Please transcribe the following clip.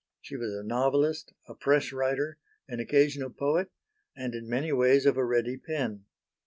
She was a novelist, a press writer, an occasional poet and in many ways of a ready pen.